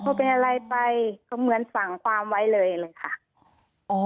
เขาเป็นอะไรไปเขาเหมือนสั่งความไว้เลยเลยค่ะ